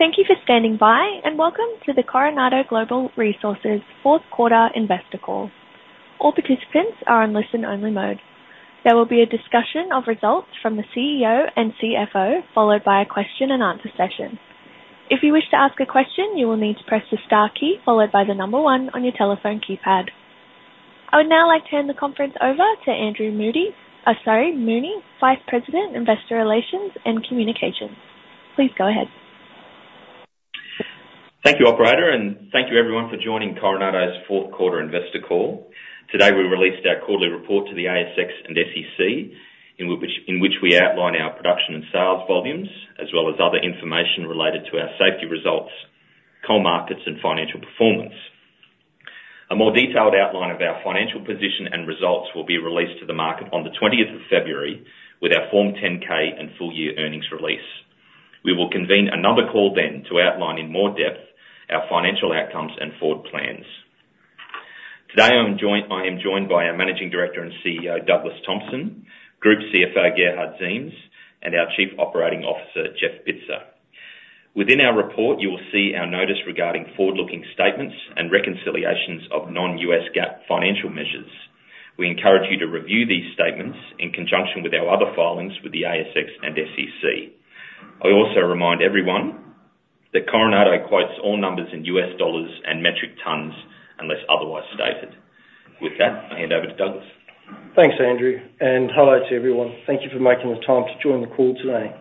Thank you for standing by, and welcome to the Coronado Global Resources Fourth Quarter Investor Call. All participants are in listen-only mode. There will be a discussion of results from the CEO and CFO, followed by a question and answer session. If you wish to ask a question, you will need to press the star key followed by the number one on your telephone keypad. I would now like to hand the conference over to Andrew Mooney, Vice President, Investor Relations and Communications. Please go ahead. Thank you, operator, and thank you everyone for joining Coronado's fourth quarter investor call. Today, we released our quarterly report to the ASX and SEC, in which we outline our production and sales volumes, as well as other information related to our safety results, coal markets, and financial performance. A more detailed outline of our financial position and results will be released to the market on the twentieth of February with our Form 10-K and full year earnings release. We will convene another call then to outline in more depth our financial outcomes and forward plans. Today, I am joined by our Managing Director and CEO, Douglas Thompson; Group CFO, Gerhard Ziems, and our Chief Operating Officer, Jeff Bitzer. Within our report, you will see our notice regarding forward-looking statements and reconciliations of non-U.S. GAAP financial measures. We encourage you to review these statements in conjunction with our other filings with the ASX and SEC. I also remind everyone that Coronado quotes all numbers in U.S. dollars and metric tons unless otherwise stated. With that, I hand over to Douglas. Thanks, Andrew, and hello to everyone. Thank you for making the time to join the call today.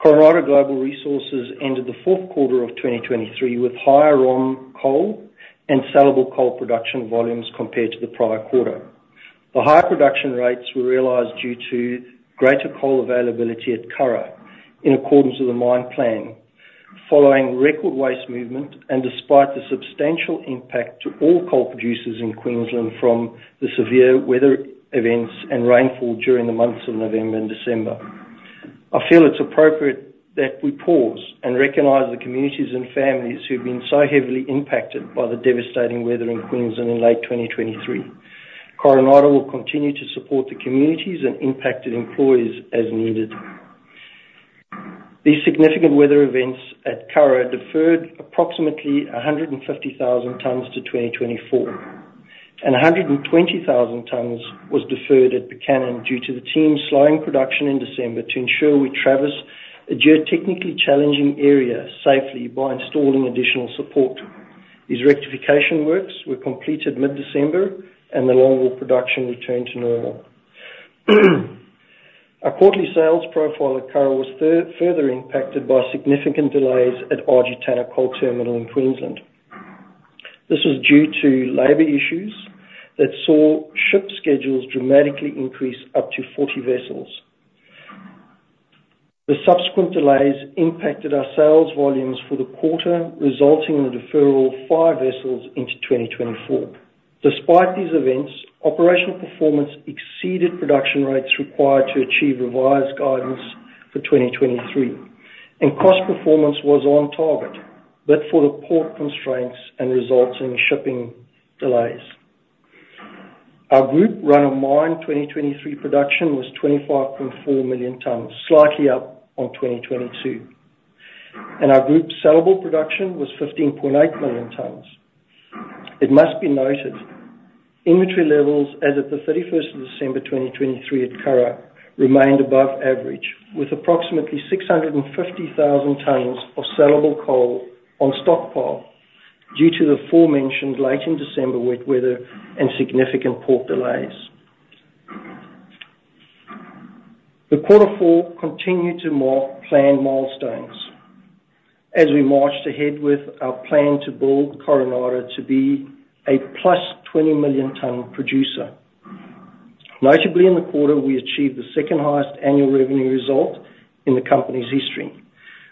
Coronado Global Resources ended the fourth quarter of 2023 with higher ROM coal and saleable coal production volumes compared to the prior quarter. The higher production rates were realized due to greater coal availability at Curragh, in accordance with the mine plan, following record waste movement and despite the substantial impact to all coal producers in Queensland from the severe weather events and rainfall during the months of November and December. I feel it's appropriate that we pause and recognize the communities and families who've been so heavily impacted by the devastating weather in Queensland in late 2023. Coronado will continue to support the communities and impacted employees as needed. These significant weather events at Curragh deferred approximately 150,000 tons to 2024, and 120,000 tons was deferred at Buchanan due to the team slowing production in December to ensure we traverse a geotechnically challenging area safely by installing additional support. These rectification works were completed mid-December, and the longwall production returned to normal. Our quarterly sales profile at Curragh was further impacted by significant delays at RG Tanna Coal Terminal in Queensland. This was due to labor issues that saw ship schedules dramatically increase up to 40 vessels. The subsequent delays impacted our sales volumes for the quarter, resulting in the deferral of 5 vessels into 2024. Despite these events, operational performance exceeded production rates required to achieve revised guidance for 2023, and cost performance was on target, but for the port constraints and resulting in shipping delays. Our group's run-of-mine 2023 production was 25.4 million tons, slightly up on 2022, and our group's saleable production was 15.8 million tons. It must be noted, inventory levels as of the thirty-first of December 2023 at Curragh remained above average, with approximately 650,000 tons of saleable coal on stockpile due to the aforementioned late in December wet weather and significant port delays. The quarter four continued to mark planned milestones as we marched ahead with our plan to build Coronado to be a +20 million ton producer. Notably, in the quarter, we achieved the second highest annual revenue result in the company's history.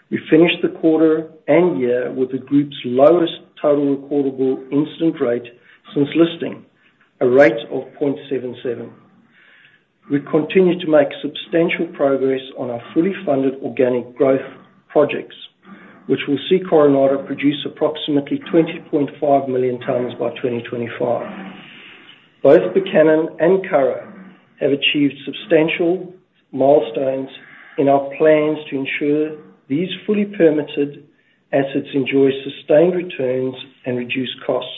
We finished the quarter and year with the group's lowest total recordable incident rate since listing, a rate of 0.77. We continued to make substantial progress on our fully funded organic growth projects, which will see Coronado produce approximately 20.5 million tons by 2025. Both Buchanan and Curragh have achieved substantial milestones in our plans to ensure these fully permitted assets enjoy sustained returns and reduced costs.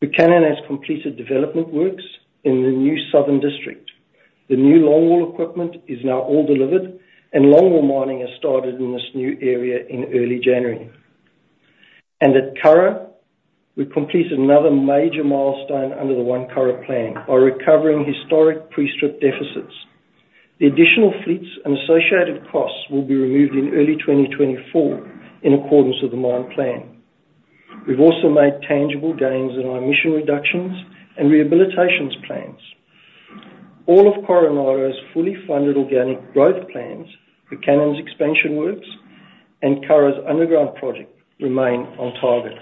Buchanan has completed development works in the new Southern District. The new longwall equipment is now all delivered, and longwall mining has started in this new area in early January. At Curragh, we completed another major milestone under the One Curragh Plan by recovering historic pre-strip deficits. The additional fleets and associated costs will be removed in early 2024 in accordance with the mine plan. We've also made tangible gains in our emission reductions and rehabilitations plans. All of Coronado's fully funded organic growth plans, Buchanan's expansion works, and Curragh's Underground Project remain on target.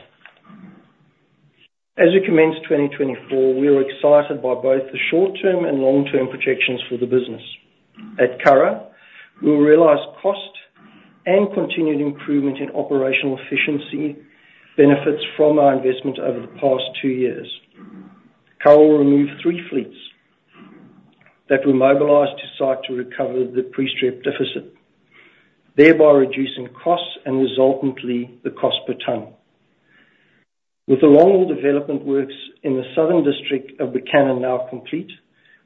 As we commence 2024, we are excited by both the short-term and long-term projections for the business. At Curragh, we will realize cost and continued improvement in operational efficiency benefits from our investment over the past two years. Curragh will remove three fleets that we mobilized to site to recover the pre-strip deficit, thereby reducing costs and resultantly, the cost per ton. With the longwall development works in the Southern District of the Curragh now complete,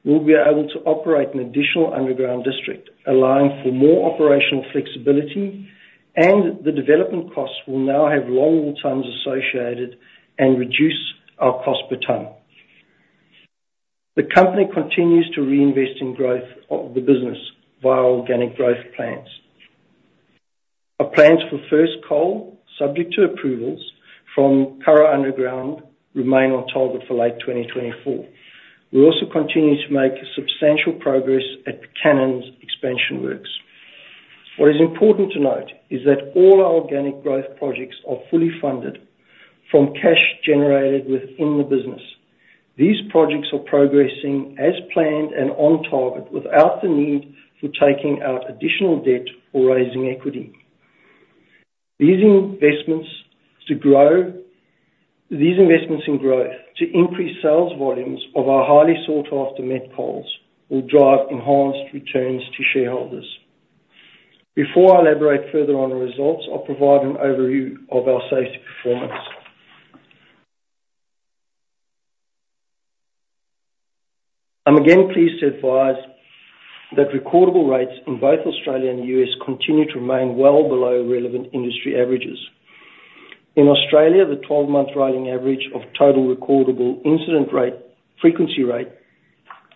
we'll be able to operate an additional underground district, allowing for more operational flexibility, and the development costs will now have longwall tons associated and reduce our cost per ton. The company continues to reinvest in growth of the business via organic growth plans. Our plans for first coal, subject to approvals from Curragh Underground, remain on target for late 2024. We also continue to make substantial progress at Curragh's expansion works. What is important to note is that all our organic growth projects are fully funded from cash generated within the business. These projects are progressing as planned and on target, without the need for taking out additional debt or raising equity. These investments in growth to increase sales volumes of our highly sought-after met coals will drive enhanced returns to shareholders. Before I elaborate further on the results, I'll provide an overview of our safety performance. I'm again pleased to advise that recordable rates in both Australia and the U.S. continue to remain well below relevant industry averages. In Australia, the twelve-month rolling average of Total Recordable Incident Rate frequency rate,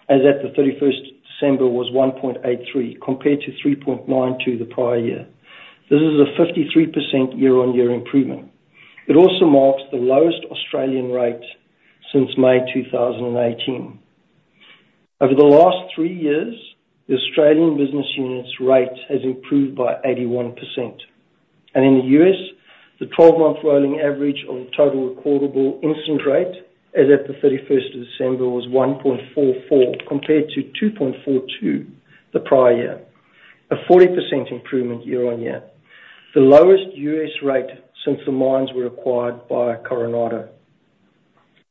as at 31st December, was 1.83, compared to 3.92 the prior year. This is a 53% year-on-year improvement. It also marks the lowest Australian rate since May 2018. Over the last three years, the Australian business unit's rate has improved by 81%, and in the U.S., the 12-month rolling average of Total Recordable Incident Rate, as at the 31st of December, was 1.44, compared to 2.42 the prior year. A 40% improvement year-on-year. The lowest U.S. rate since the mines were acquired by Coronado.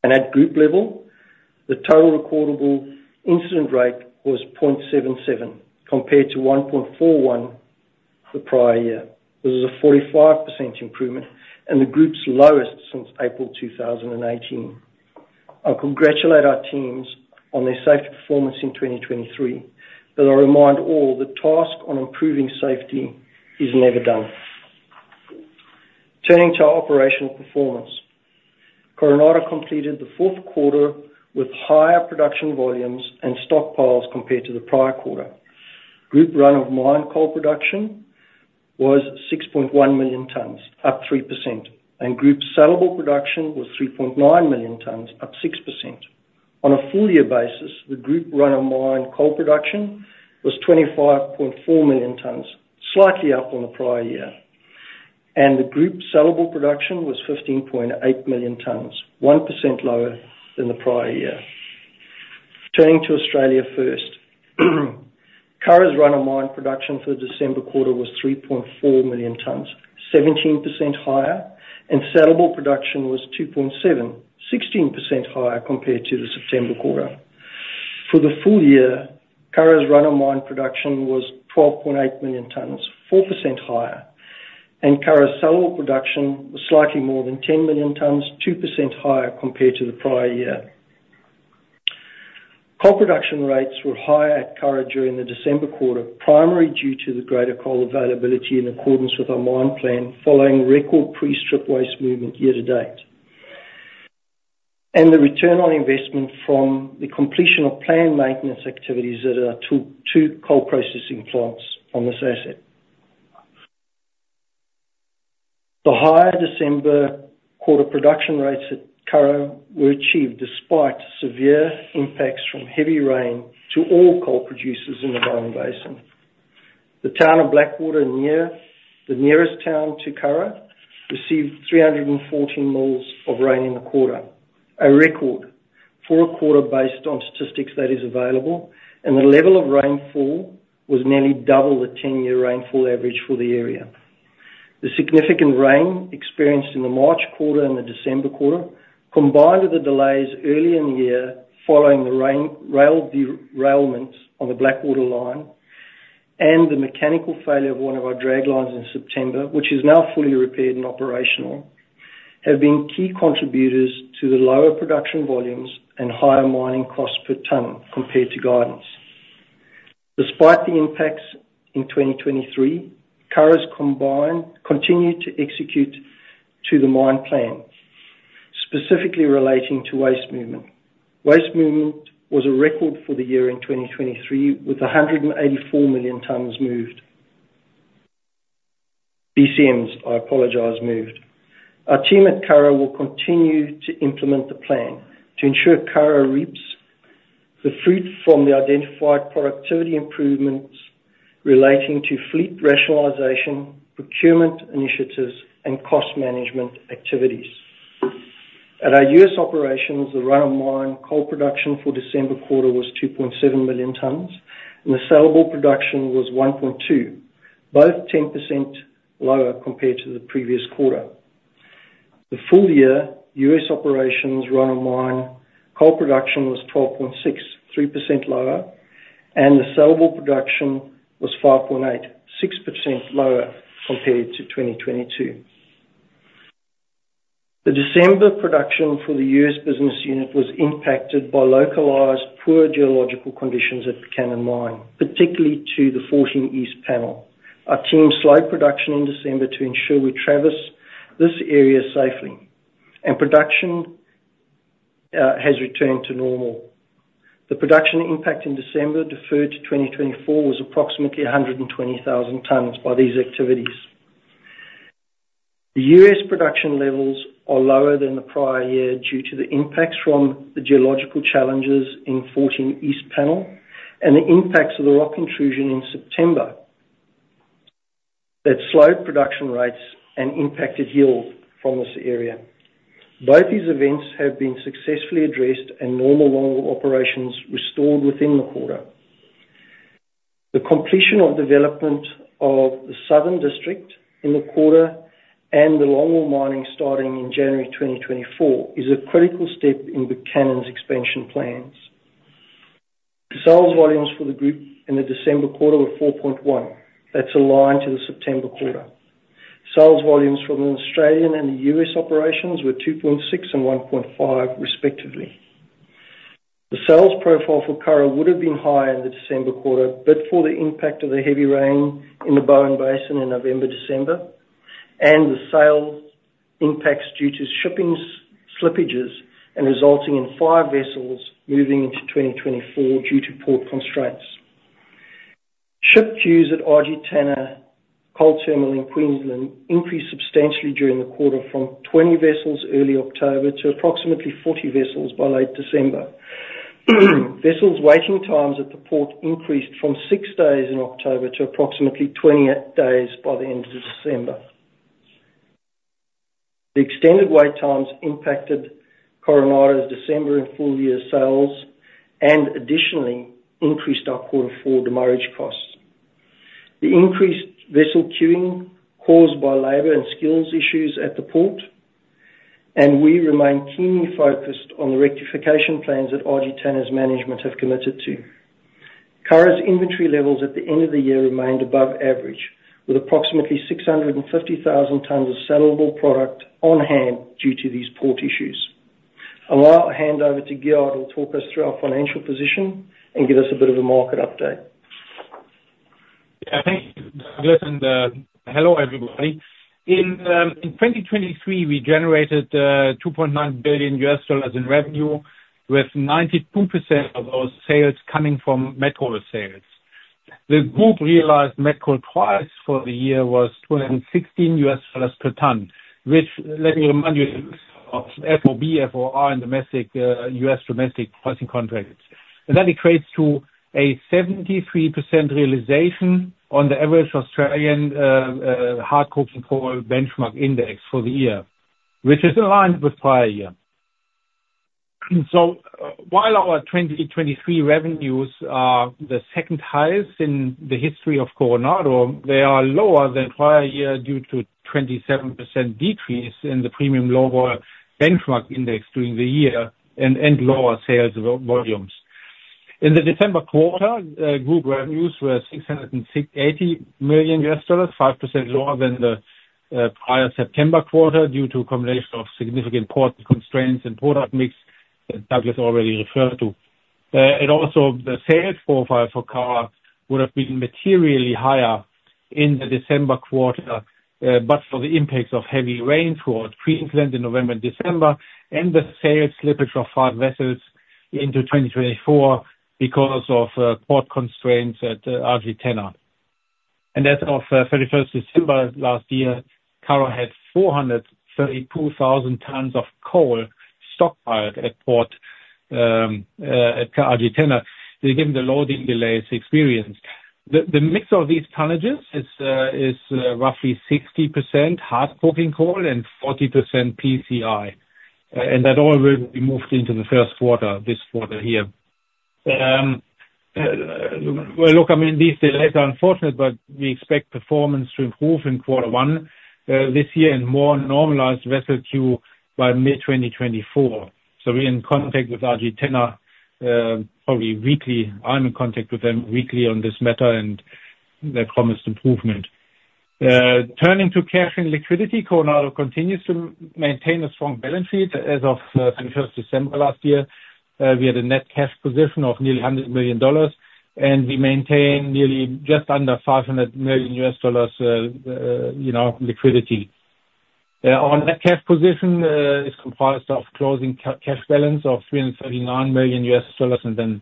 At group level, the Total Recordable Incident Rate was 0.77, compared to 1.41 the prior year. This is a 45% improvement and the group's lowest since April 2018. I congratulate our teams on their safety performance in 2023, but I remind all, the task on improving safety is never done. Turning to our operational performance. Coronado completed the fourth quarter with higher production volumes and stockpiles compared to the prior quarter. Group run-of-mine coal production was 6.1 million tons, up 3%, and group saleable production was 3.9 million tons, up 6%. On a full year basis, the group run-of-mine coal production was 25.4 million tons, slightly up on the prior year, and the group saleable production was 15.8 million tons, 1% lower than the prior year. Turning to Australia first. Curragh's run-of-mine production for the December quarter was 3.4 million tons, 17% higher, and saleable production was 2.7, 16% higher compared to the September quarter. For the full year, Curragh's run-of-mine production was 12.8 million tons, 4% higher, and Curragh's saleable production was slightly more than 10 million tons, 2% higher compared to the prior year. Coal production rates were higher at Curragh during the December quarter, primarily due to the greater coal availability in accordance with our mine plan, following record pre-strip waste movement year to date, and the return on investment from the completion of planned maintenance activities at our two coal processing plants on this asset. The higher December quarter production rates at Curragh were achieved despite severe impacts from heavy rain to all coal producers in the Basin. The town of Blackwater, near the nearest town to Curragh, received 314 millimeters of rain in the quarter, a record for a quarter based on statistics that is available, and the level of rainfall was nearly double the 10-year rainfall average for the area. The significant rain experienced in the March quarter and the December quarter, combined with the delays early in the year following the rain-related rail derailment on the Blackwater line and the mechanical failure of one of our draglines in September, which is now fully repaired and operational, have been key contributors to the lower production volumes and higher mining costs per ton compared to guidance. Despite the impacts in 2023, Curragh continued to execute to the mine plan, specifically relating to waste movement. Waste movement was a record for the year in 2023, with 184 million tons moved. BCMs, I apologize, moved. Our team at Curragh will continue to implement the plan to ensure Curragh reaps the fruit from the identified productivity improvements relating to fleet rationalization, procurement initiatives, and cost management activities. At our U.S. operations, the run-of-mine coal production for December quarter was 2.7 million tons, and the saleable production was 1.2, both 10% lower compared to the previous quarter. The full year U.S. operations run-of-mine coal production was 12.6, 3% lower, and the saleable production was 5.8, 6% lower compared to 2022. The December production for the U.S. business unit was impacted by localized poor geological conditions at Buchanan Mine, particularly to the 14E panel. Our team slowed production in December to ensure we traverse this area safely, and production has returned to normal. The production impact in December deferred to 2024 was approximately 120,000 tons by these activities. The U.S. production levels are lower than the prior year due to the impacts from the geological challenges in 14E panel, and the impacts of the rock intrusion in September. That slowed production rates and impacted yield from this area. Both these events have been successfully addressed, and normal longwall operations restored within the quarter. The completion of development of the Southern District in the quarter and the longwall mining starting in January 2024 is a critical step in Buchanan's expansion plans. Sales volumes for the group in the December quarter were 4.1. That's aligned to the September quarter. Sales volumes from the Australian and the U.S. operations were 2.6 and 1.5, respectively. The sales profile for Curragh would have been higher in the December quarter, but for the impact of the heavy rain in the Bowen Basin in November, December, and the sales impacts due to shipping slippages and resulting in five vessels moving into 2024 due to port constraints. Ship queues at RG Tanna Coal Terminal in Queensland increased substantially during the quarter, from 20 vessels early October to approximately 40 vessels by late December. Vessels waiting times at the port increased from six days in October to approximately 28 days by the end of December. The extended wait times impacted Coronado's December and full year sales, and additionally increased our quarter four demurrage costs. The increased vessel queuing caused by labor and skills issues at the port, and we remain keenly focused on the rectification plans that RG Tanna's management have committed to. Curragh's inventory levels at the end of the year remained above average, with approximately 650,000 tons of saleable product on hand due to these port issues. I'll now hand over to Gerhard, who'll talk us through our financial position and give us a bit of a market update. Yeah, thank you, Douglas, and hello, everybody. In 2023, we generated $2.9 billion in revenue, with 92% of our sales coming from met coal sales. The group realized met coal price for the year was $216 per ton, which let me remind you of FOB, FOR, and domestic U.S. domestic pricing contracts. And that equates to a 73% realization on the average Australian hard coking coal benchmark index for the year, which is aligned with prior year. So while our 2023 revenues are the second highest in the history of Coronado, they are lower than prior year due to 27% decrease in the premium global benchmark index during the year and lower sales volumes. In the December quarter, group revenues were $668 million, 5% lower than the prior September quarter, due to a combination of significant port constraints and product mix that Douglas already referred to. Also, the sales profile for Coronado would have been materially higher in the December quarter, but for the impacts of heavy rain toward Queensland in November and December, and the sales slippage of 5 vessels into 2024 because of port constraints at RG Tanna. As of the thirty-first of December last year, Coronado had 432,000 tons of coal stockpiled at port at RG Tanna, given the loading delays experienced. The mix of these tonnages is roughly 60% hard coking coal and 40% PCI, and that all will be moved into the first quarter, this quarter here. Well, look, I mean, these delays are unfortunate, but we expect performance to improve in quarter one, this year and more normalized vessel queue by mid-2024. So we're in contact with RG Tanna, probably weekly. I'm in contact with them weekly on this matter, and they've promised improvement. Turning to cash and liquidity, Coronado continues to maintain a strong balance sheet. As of the first December last year, we had a net cash position of nearly $100 million, and we maintained nearly just under $500 million, you know, liquidity. Our net cash position is comprised of closing cash balance of $339 million, and then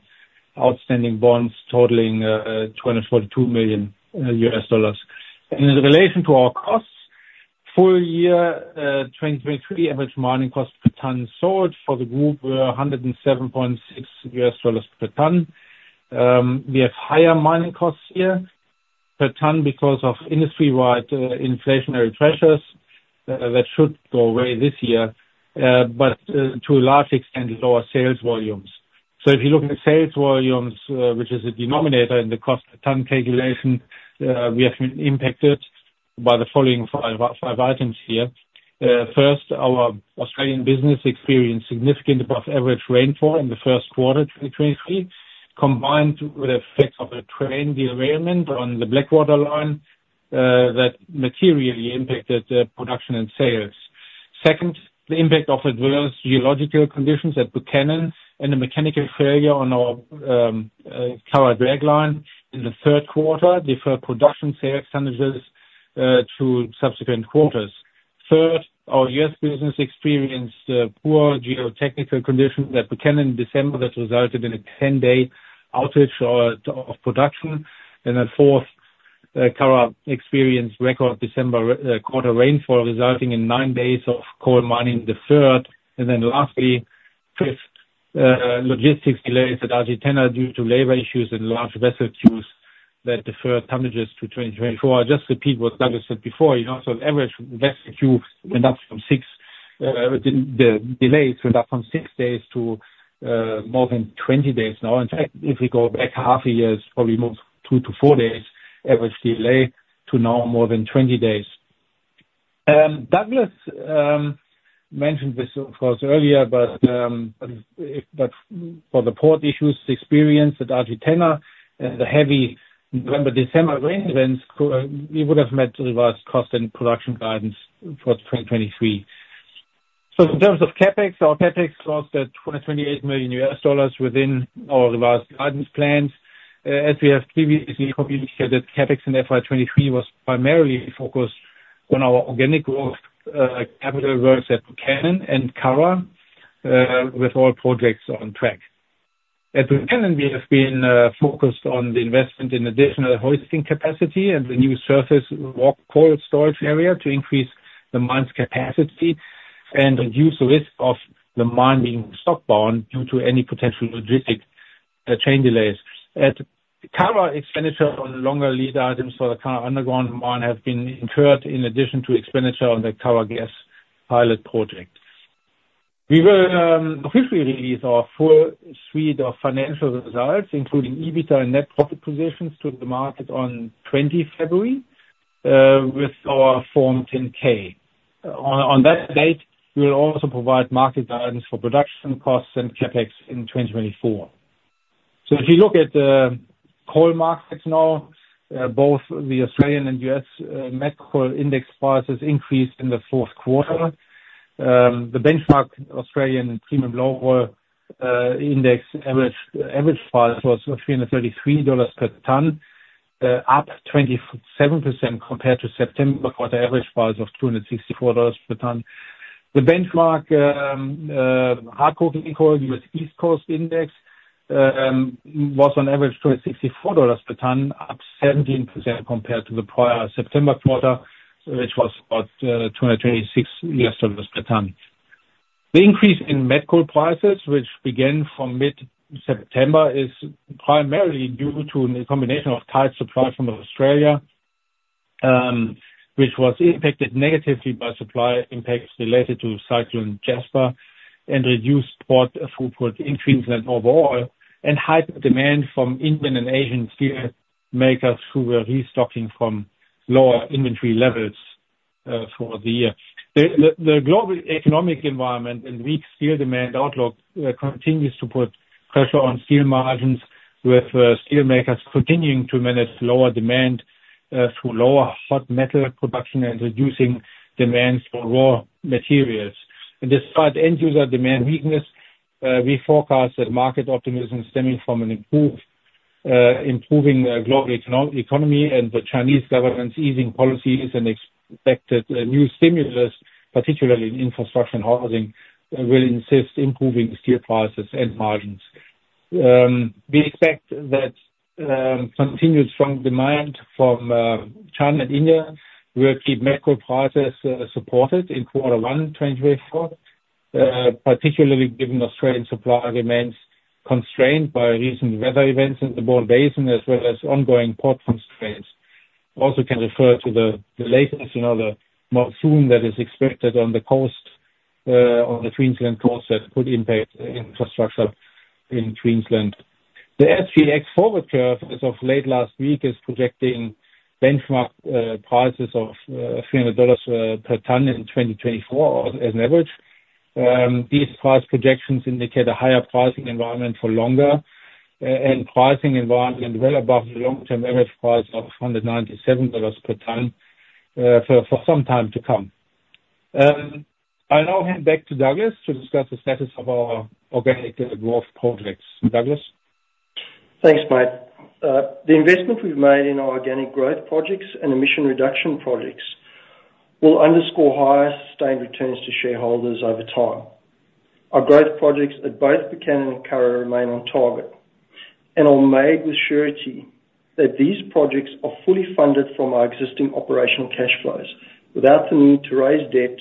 outstanding bonds totaling $242 million. In relation to our costs, full year 2023, average mining cost per ton sold for the group were $107.6 per ton. We have higher mining costs here per ton because of industry-wide inflationary pressures that should go away this year, but to a large extent, lower sales volumes. So if you look at sales volumes, which is the denominator in the cost per ton calculation, we have been impacted by the following five items here. First, our Australian business experienced significant above-average rainfall in the first quarter 2023, combined with the effect of a train derailment on the Blackwater line that materially impacted production and sales. Second, the impact of adverse geological conditions at Buchanan and a mechanical failure on our Curragh dragline in the third quarter deferred production sales damages to subsequent quarters. Third, our U.S. business experienced poor geotechnical conditions at Buchanan in December that resulted in a 10-day outage of production. Fourth, Curragh experienced record December quarter rainfall, resulting in nine days of coal mining deferred. Fifth, logistics delays at RG Tanna due to labor issues and large vessel queues that deferred damages to 2024. I'll just repeat what Douglas said before, you know, so on average, vessel queue went up from 6, the delays went up from 6 days to, more than 20 days now. In fact, if we go back half a year, it's probably moved two to four days average delay to now more than 20 days. Douglas mentioned this, of course, earlier, but, but for the port issues experienced at RG Tanna and the heavy November, December rain events combined, we would have met the revised cost and production guidance for 2023. So in terms of CapEx, our CapEx costs at $28 million within our revised guidance plans. As we have previously communicated, CapEx in FY 2023 was primarily focused on our organic growth, capital works at Buchanan and Curragh, with all projects on track. At Buchanan, we have been focused on the investment in additional hoisting capacity and the new surface raw coal storage area to increase the mine's capacity and reduce the risk of the mine being stockbound due to any potential logistic chain delays. At Curragh, expenditure on longer lead items for the Curragh Underground mine have been incurred in addition to expenditure on the Curragh Gas Pilot Project. We will officially release our full suite of financial results, including EBITDA and net profit positions, to the market on 20th February with our Form 10-K. On that date, we will also provide market guidance for production costs and CapEx in 2024. So if you look at the coal markets now, both the Australian and U.S. met coal index prices increased in the fourth quarter. The benchmark Australian Premium Low Vol Index average price was $333 per tonne, up 27% compared to September, for the average price of $264 per tonne. The benchmark hard coking coal U.S. East Coast Index was on average $264 per tonne, up 17% compared to the prior September quarter, which was about $226 US dollars per tonne. The increase in met coal prices, which began from mid-September, is primarily due to a combination of tight supply from Australia, which was impacted negatively by supply impacts related to Cyclone Jasper and reduced port throughput increases overall and high demand from Indian and Asian steel makers who were restocking from lower inventory levels, for the year. The global economic environment and weak steel demand outlook continues to put pressure on steel margins, with steel makers continuing to manage lower demand through lower hot metal production and reducing demands for raw materials. Despite end user demand weakness, we forecast that market optimism stemming from an improving global economy and the Chinese government's easing policies and expected new stimulus, particularly in infrastructure and housing, will insist improving steel prices and margins. We expect that continued strong demand from China and India will keep met coal prices supported in quarter one, 2024, particularly given Australian supply remains constrained by recent weather events in the Bowen Basin, as well as ongoing port constraints. Also can refer to the latest, you know, the monsoon that is expected on the coast, on the Queensland coast, that could impact infrastructure in Queensland. The SGX Forward Curve, as of late last week, is projecting benchmark prices of $300 per tonne in 2024 as an average. These price projections indicate a higher pricing environment for longer, and pricing environment well above the long-term average price of $197 per tonne, for some time to come. I now hand back to Douglas to discuss the status of our organic growth projects. Douglas? Thanks, Mate. The investment we've made in our organic growth projects and emission reduction projects will underscore higher sustained returns to shareholders over time. Our growth projects at both Buchanan and Curragh remain on target, and are made with surety that these projects are fully funded from our existing operational cash flows, without the need to raise debt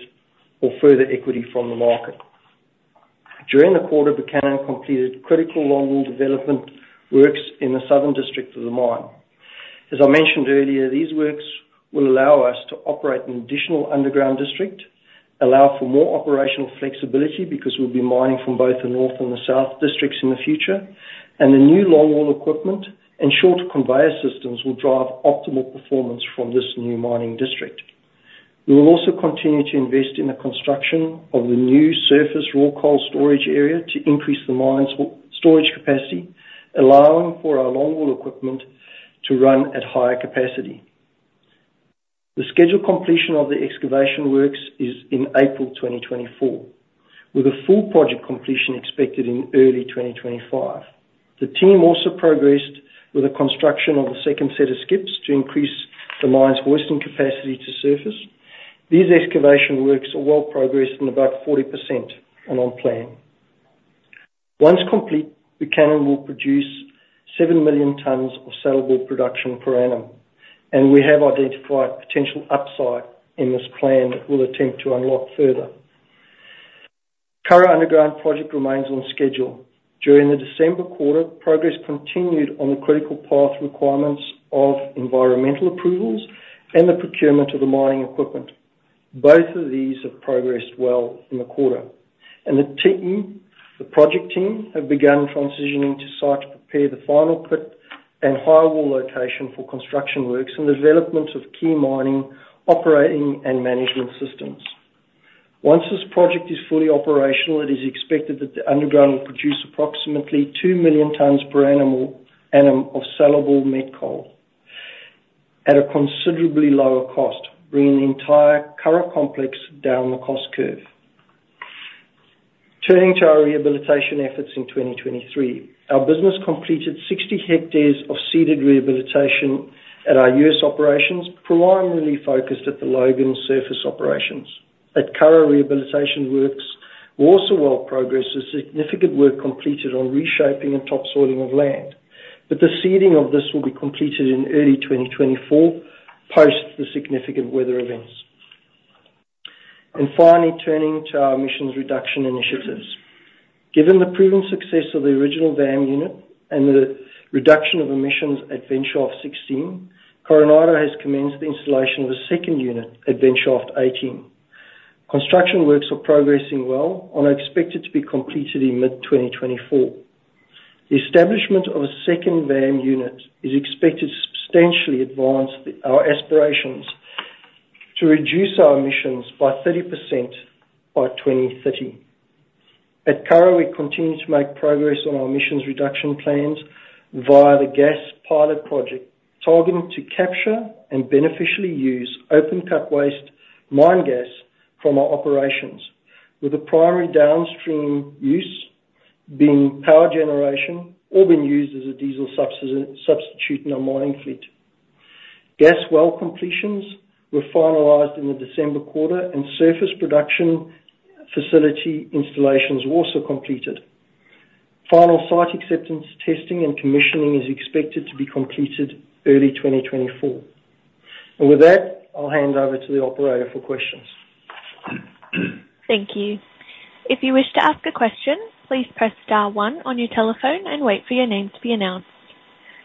or further equity from the market. During the quarter, Buchanan completed critical longwall development works in the Southern District of the mine. As I mentioned earlier, these works will allow us to operate an additional underground district, allow for more operational flexibility because we'll be mining from both the north and the South Districts in the future, and the new longwall equipment and short conveyor systems will drive optimal performance from this new mining district. We will also continue to invest in the construction of the new surface raw coal storage area to increase the mine's storage capacity, allowing for our longwall equipment to run at higher capacity. The scheduled completion of the excavation works is in April 2024, with a full project completion expected in early 2025. The team also progressed with the construction of a second set of skips to increase the mine's hoisting capacity to surface. These excavation works are well progressed and about 40% and on plan. Once complete, we can and will produce 7 million tons of saleable production per annum, and we have identified potential upside in this plan that we'll attempt to unlock further. Curragh Underground Project remains on schedule. During the December quarter, progress continued on the critical path requirements of environmental approvals and the procurement of the mining equipment. Both of these have progressed well in the quarter, and the team, the project team, have begun transitioning to site to prepare the final pit and high wall location for construction works and development of key mining, operating, and management systems. Once this project is fully operational, it is expected that the underground will produce approximately 2 million tons per annum or annum of saleable met coal at a considerably lower cost, bringing the entire Curragh complex down the cost curve. Turning to our rehabilitation efforts in 2023. Our business completed 60 hectares of seeded rehabilitation at our U.S. operations, primarily focused at the Logan surface operations. At Curragh, rehabilitation works were also well progressed, with significant work completed on reshaping and topsoiling of land. But the seeding of this will be completed in early 2024, post the significant weather events. Finally, turning to our emissions reduction initiatives. Given the proven success of the original VAM unit and the reduction of emissions at Vent Shaft 16, Coronado has commenced the installation of a second unit at Vent Shaft 18. Construction works are progressing well and are expected to be completed in mid-2024. The establishment of a second VAM unit is expected to substantially advance our aspirations to reduce our emissions by 30% by 2030. At Curragh, we continue to make progress on our emissions reduction plans via the Gas Pilot Project, targeting to capture and beneficially use open cut waste mine gas from our operations, with the primary downstream use being power generation or being used as a diesel substitute in our mining fleet. Gas well completions were finalized in the December quarter, and surface production facility installations were also completed. Final site acceptance, testing, and commissioning is expected to be completed early 2024. With that, I'll hand over to the operator for questions. Thank you. If you wish to ask a question, please press star one on your telephone and wait for your name to be announced.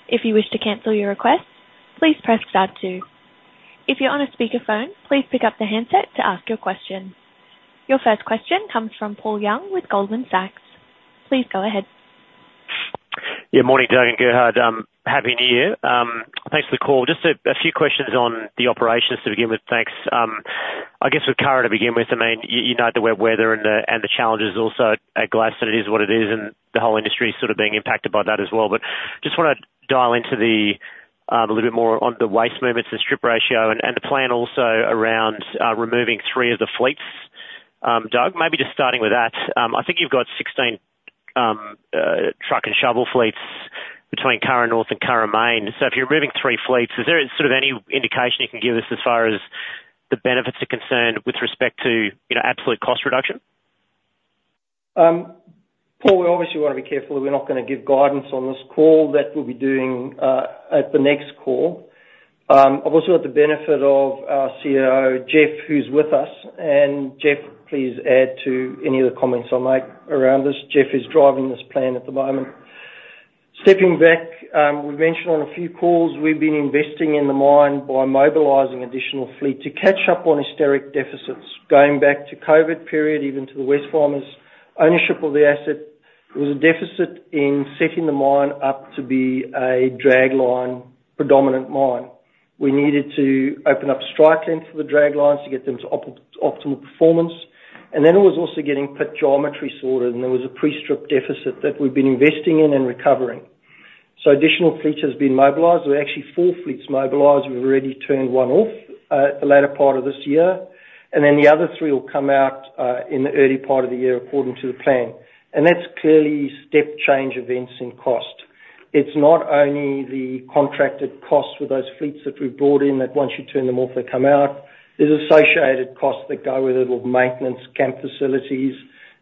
If you wish to cancel your request, please press star two. If you're on a speakerphone, please pick up the handset to ask your question. Your first question comes from Paul Young with Goldman Sachs. Please go ahead. Yeah, morning, Doug and Gerhard. Happy New Year. Thanks for the call. Just a few questions on the operations to begin with. Thanks. I guess with Curragh to begin with, I mean, you know, the wet weather and the challenges also at Gladstone, that it is what it is, and the whole industry is sort of being impacted by that as well. But just wanna dial into a little bit more on the waste movements and strip ratio, and the plan also around removing three of the fleets. Doug, maybe just starting with that. I think you've got 16 truck and shovel fleets between Curragh North and Curragh Main. If you're removing three fleets, is there sort of any indication you can give us as far as the benefits are concerned with respect to, you know, absolute cost reduction? Paul, we obviously want to be careful that we're not gonna give guidance on this call. That we'll be doing at the next call. I've also got the benefit of our COO, Jeff, who's with us, and Jeff, please add to any of the comments I'll make around this. Jeff is driving this plan at the moment. Stepping back, we've mentioned on a few calls, we've been investing in the mine by mobilizing additional fleet to catch up on historic deficits. Going back to COVID period, even to the Wesfarmers ownership of the asset was a deficit in setting the mine up to be a dragline-predominant mine. We needed to open up strike length for the draglines to get them to optimal performance, and then it was also getting pit geometry sorted, and there was a pre-strip deficit that we've been investing in and recovering. So additional fleet has been mobilized. We're actually four fleets mobilized. We've already turned one off, the latter part of this year, and then the other three will come out in the early part of the year, according to the plan. And that's clearly step change events in cost. It's not only the contracted cost with those fleets that we've brought in, that once you turn them off, they come out. There's associated costs that go with it, of maintenance, camp facilities,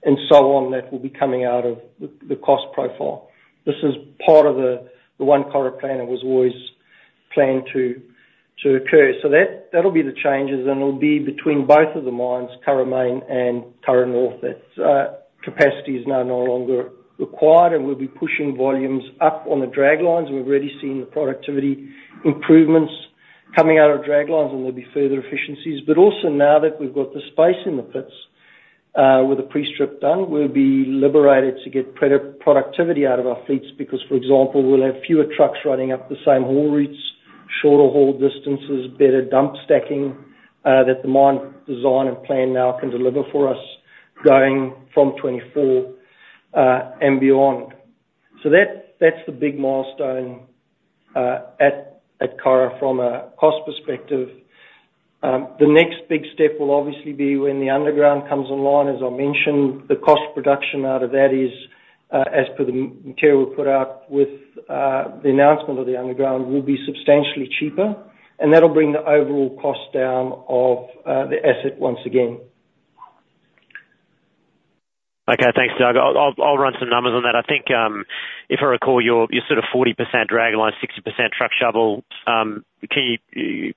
and so on, that will be coming out of the cost profile. This is part of the One Curragh Plan that was always planned to occur. So that, that'll be the changes, and it'll be between both of the mines, Curragh Main and Curragh North. That capacity is now no longer required, and we'll be pushing volumes up on the draglines. We've already seen the productivity improvements coming out of draglines, and there'll be further efficiencies. But also, now that we've got the space in the pits, with the pre-strip done, we'll be liberated to get productivity out of our fleets. Because, for example, we'll have fewer trucks running up the same haul routes, shorter haul distances, better dump stacking, that the mine design and plan now can deliver for us going from 2024 and beyond. So that, that's the big milestone, at Curragh from a cost perspective. The next big step will obviously be when the underground comes online. As I mentioned, the cost production out of that is, as per the material we put out with the announcement of the underground, will be substantially cheaper, and that'll bring the overall cost down of the asset once again. Okay, thanks, Doug. I'll run some numbers on that. I think if I recall, you're sort of 40% dragline, 60% truck shovel. Can you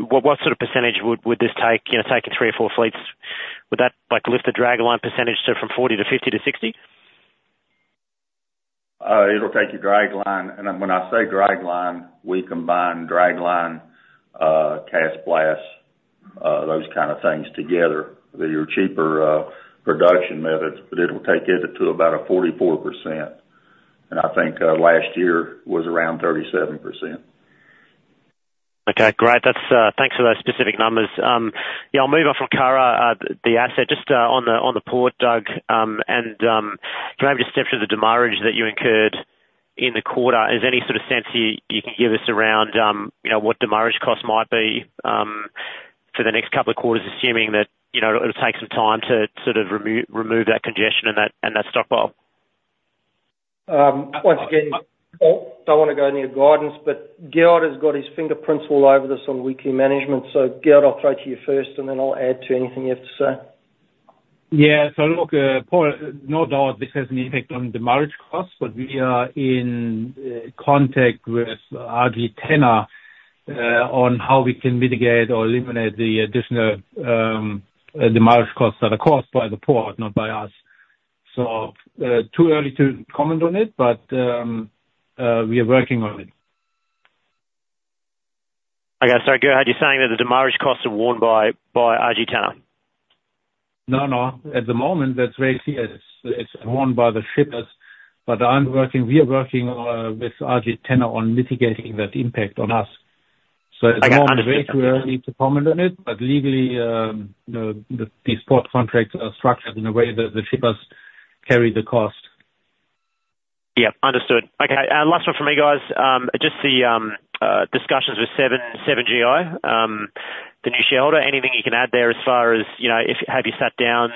what sort of percentage would this take, you know, taking three or four fleets? Would that like lift the dragline percentage to from 40% to 50% to 60%? It'll take your dragline, and then when I say dragline, we combine dragline, cast blast, those kind of things together. They're your cheaper production methods, but it'll take it to about 44%, and I think, last year was around 37%. Okay, great. That's thanks for those specific numbers. Yeah, I'll move on from Curragh, the asset. Just on the port, Doug, and can I have you step through the demurrage that you incurred in the quarter? Is there any sort of sense you can give us around, you know, what demurrage costs might be for the next couple of quarters, assuming that, you know, it'll take some time to sort of remove that congestion and that stockpile? Once again, Paul, don't want to go any guidance, but Gerhard has got his fingerprints all over this on weekly management. So Gerhard, I'll throw to you first, and then I'll add to anything you have to say. Yeah. So look, Paul, no doubt this has an impact on demurrage costs, but we are in contact with RG Tanna on how we can mitigate or eliminate the additional demurrage costs that are caused by the port, not by us. So too early to comment on it, but we are working on it. Okay, sorry, Gerhard, you're saying that the demurrage costs are borne by RG Tanna? No, no. At the moment, that's very clear. It's worn by the shippers, but we are working with RG Tanna on mitigating that impact on us.I got- So it's very early to comment on it, but legally, these port contracts are structured in a way that the shippers carry the cost. Yep, understood. Okay, and last one from me, guys. Just the discussions with Sev.en GI, the new shareholder. Anything you can add there as far as, you know, if have you sat down,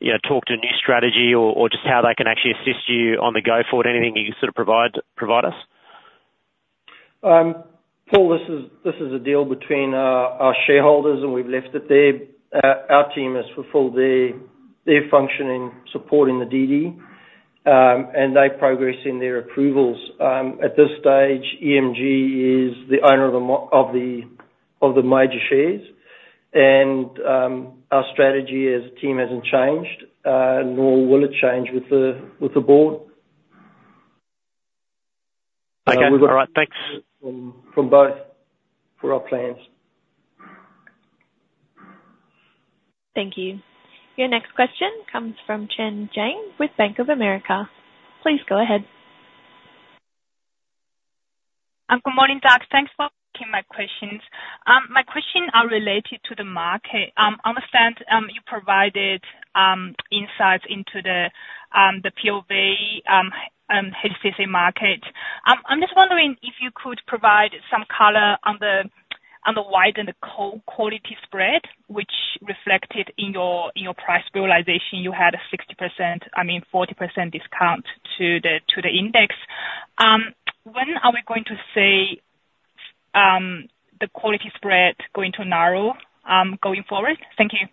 you know, talked to a new strategy or, or just how they can actually assist you on the go forward? Anything you can sort of provide, provide us? Paul, this is a deal between our shareholders, and we've left it there. Our team has fulfilled their function in supporting the DD, and they're progressing their approvals. At this stage, EMG is the owner of the major shares, and our strategy as a team hasn't changed, nor will it change with the board. Okay. All right. Thanks. From both, for our plans. Thank you. Your next question comes from Chen Jiang with Bank of America. Please go ahead. Good morning, Doug. Thanks for taking my questions. My questions are related to the market. I understand you provided insights into the POV HCC market. I'm just wondering if you could provide some color on the widened coal-quality spread, which reflected in your price realization. You had a 60%, I mean, 40% discount to the index. When are we going to see the quality spread going to narrow going forward? Thank you.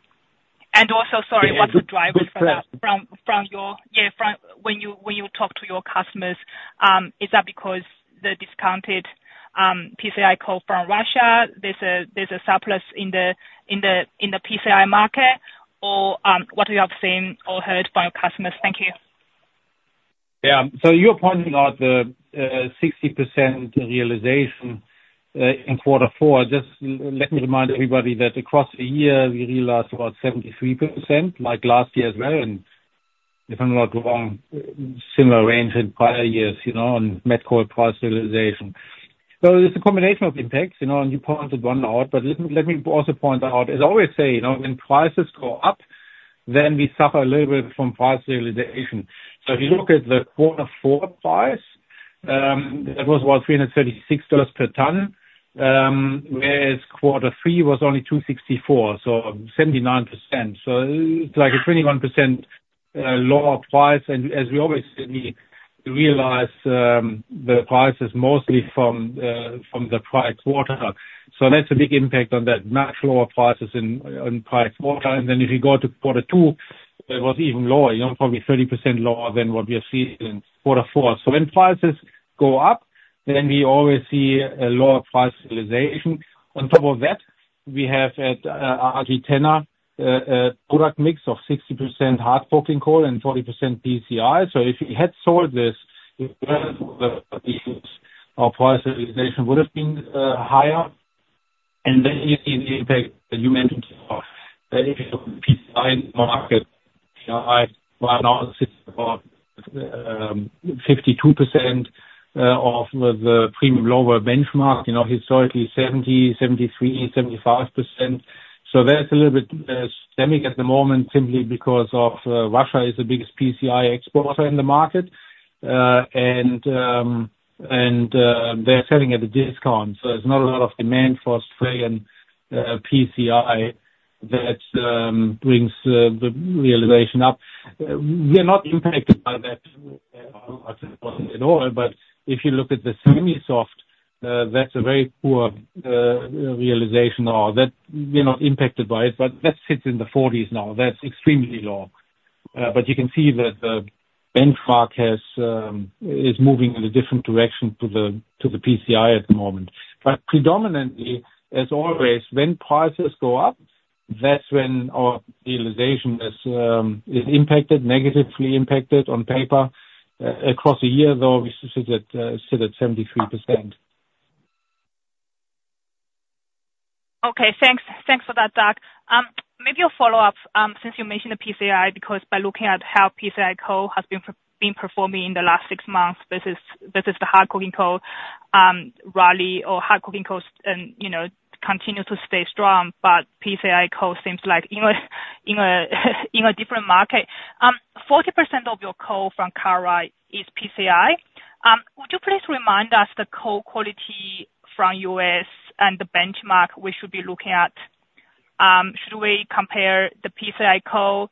And also, sorry, what's the driver- Yeah, good question. From when you talk to your customers, is that because the discounted PCI call from Russia, there's a surplus in the PCI market? Or, what you have seen or heard by your customers? Thank you. Yeah, so you're pointing out the 60% realization in quarter four. Just let me remind everybody that across the year, we realized about 73%, like last year as well, and if I'm not wrong, similar range in prior years, you know, on met coal price realization. So it's a combination of impacts, you know, and you pointed one out, but let me also point out, as I always say, you know, when prices go up, then we suffer a little bit from price realization. So if you look at the quarter four price, it was about $336 per ton, whereas quarter three was only $264, so 79%. So it's like a 21% lower price. And as we always say, we realize the price is mostly from the price quarter. So that's a big impact on that, much lower prices in, on price quarter. And then if you go to quarter two. It was even lower, you know, probably 30% lower than what we have seen in quarter four. So when prices go up, then we always see a lower price realization. On top of that, we have at Curragh, product mix of 60% hard coking coal and 40% PCI. So if you had sold this, our price realization would have been higher. And then in the impact that you mentioned, the issue of PCI market, you know, I right now sit about 52% of the premium lower benchmark, you know, historically 70, 73, 75%. So that's a little bit stemming at the moment, simply because Russia is the biggest PCI exporter in the market. And they're selling at a discount, so there's not a lot of demand for Australian PCI that brings the realization up. We are not impacted by that at all, but if you look at the semi-soft, that's a very poor realization or that we're not impacted by it, but that sits in the 40s now. That's extremely low. But you can see that the benchmark is moving in a different direction to the PCI at the moment. But predominantly, as always, when prices go up, that's when our realization is impacted, negatively impacted on paper. Across the year, though, we sit at 73%. Okay, thanks. Thanks for that, Doug. Maybe a follow-up, since you mentioned the PCI, because by looking at how PCI coal has been performing in the last six months, versus the hard coking coal rally or hard coking coal, and, you know, continue to stay strong. But PCI coal seems like in a different market. 40% of your coal from Curragh is PCI. Would you please remind us the coal quality from the U.S. and the benchmark we should be looking at? Should we compare the PCI coal,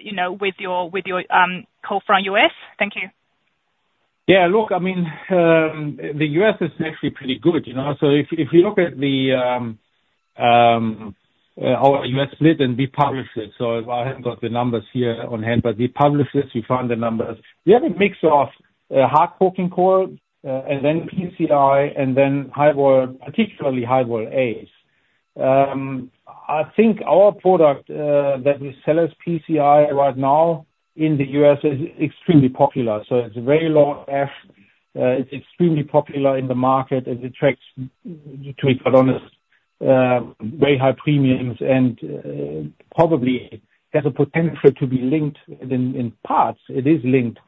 you know, with your coal from the U.S.? Thank you. Yeah, look, I mean, the U.S. is actually pretty good, you know. So if you look at our U.S. split, and we publish it, so I haven't got the numbers here on hand, but we publish this. You find the numbers. We have a mix of hard coking coal and then PCI, and then high vol, particularly High Vol A’s. I think our product that we sell as PCI right now in the U.S. is extremely popular, so it's very low ash. It's extremely popular in the market. It attracts, to be quite honest, very high premiums and probably has a potential to be linked in parts. It is linked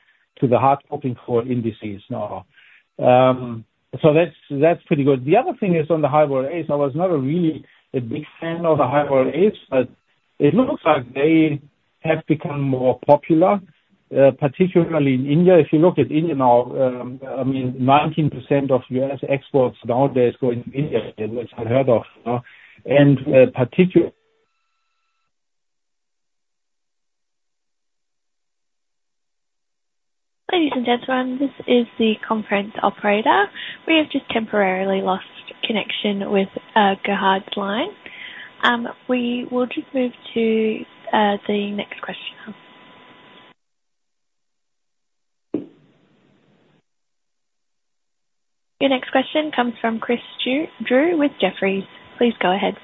to the hard coking coal indices now. So that's pretty good. The other thing is, on the High Vol A's, I was not really a big fan of the High Vol A's, but it looks like they have become more popular, particularly in India. If you look at India now, I mean, 19% of U.S. exports nowadays going to India, which I heard of, you know, and, particu... Ladies and gentlemen, this is the conference operator. We have just temporarily lost connection with Gerhard's line. We will just move to the next questioner. Your next question comes from Chris Drew with Jefferies. Please go ahead.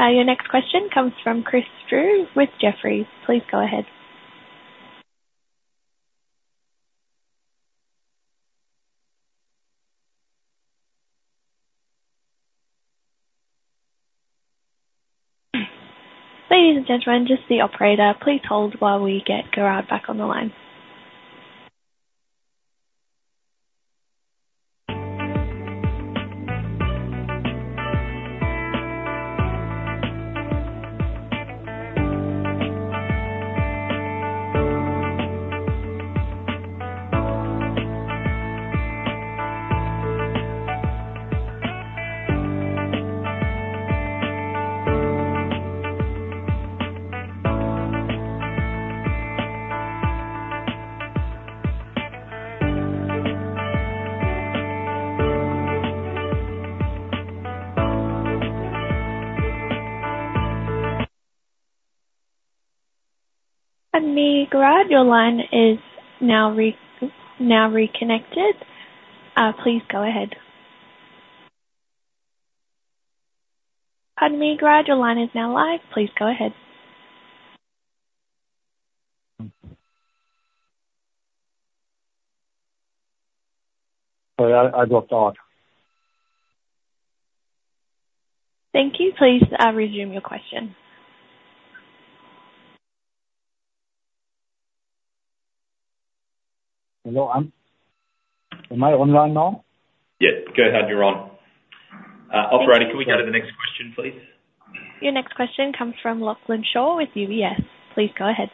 Your next question comes from Chris Drew with Jefferies. Please go ahead. Ladies and gentlemen, just the operator. Please hold while we get Gerhard back on the line. And now, Gerhard, your line is now reconnected. Please go ahead. Pardon me, Gerhard, your line is now live. Please go ahead. Sorry, I dropped off. Thank you. Please, resume your question. Hello, Am I online now? Yes, Gerhard, you're on. Operator, can we go to the next question, please? Your next question comes from Lachlan Shaw with UBS. Please go ahead.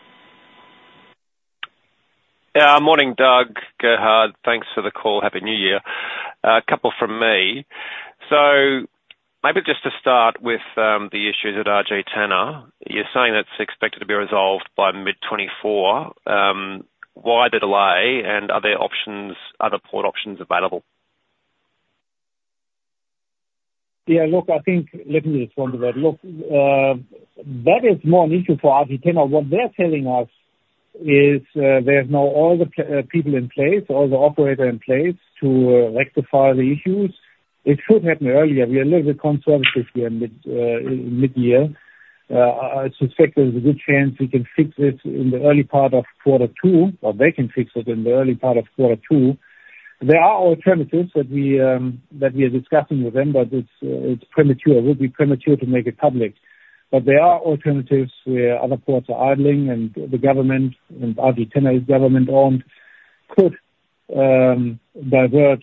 Yeah. Morning, Doug, Gerhard. Thanks for the call. Happy New Year. A couple from me. Maybe just to start with, the issues at RG Tanna. You're saying that's expected to be resolved by mid-2024. Why the delay, and are there options— are there port options available? Yeah, look, I think, let me respond to that. Look, that is more an issue for RG Tanna. What they're telling us is, there's now all the people in place, all the operator in place to rectify the issues. It should happen earlier. We are a little bit conservative here in mid-year. I suspect there's a good chance we can fix it in the early part of quarter two, or they can fix it in the early part of quarter two. There are alternatives that we, that we are discussing with them, but it's, it's premature. It would be premature to make it public. But there are alternatives where other ports are idling, and the government, and RG Tanna is government-owned, could divert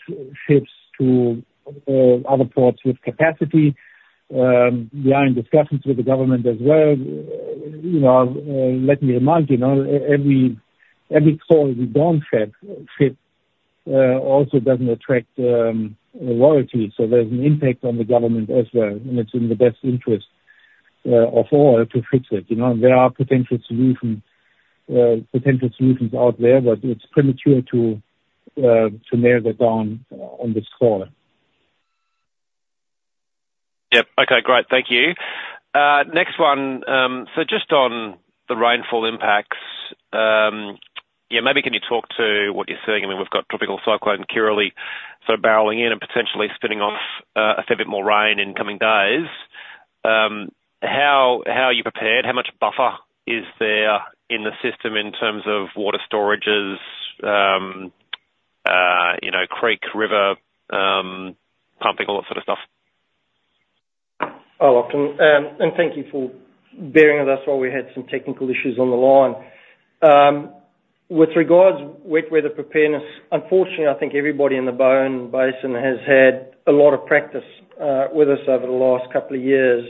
ships to other ports with capacity. We are in discussions with the government as well. You know, let me remind you every call we don't ship also doesn't attract royalty. So there's an impact on the government as well, and it's in the best interest of all to fix it. You know, there are potential solutions out there, but it's premature to nail that down on the score. Yep. Okay, great. Thank you. Next one. So just on the rainfall impacts, yeah, maybe can you talk to what you're seeing? I mean, we've got Tropical Cyclone Kirrily sort of barreling in and potentially spinning off a fair bit more rain in coming days. How, how are you prepared? How much buffer is there in the system in terms of water storages, you know, creek, river, pumping, all that sort of stuff? Oh, welcome, and thank you for bearing with us while we had some technical issues on the line. With regards wet weather preparedness, unfortunately, I think everybody in the Bowen Basin has had a lot of practice with us over the last couple of years.